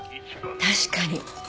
確かに。